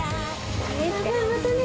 じゃあまたね。